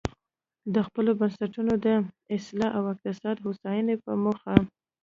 د خپلو بنسټونو د اصلاح او اقتصادي هوساینې په موخه.